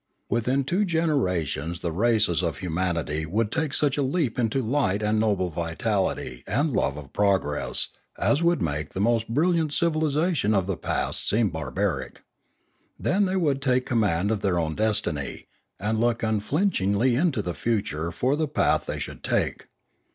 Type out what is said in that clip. Within two generations the races of hu manity would take such a leap into light and noble vitality and love of progress as would make the most brilliant civilisation of the past seem barbaric. Then would they take command of their own destiny, and look unflinchingly into the future for the path they should take.